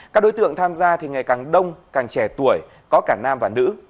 các đối tượng tham gia thì ngày càng đông càng trẻ tuổi có cả nam và nữ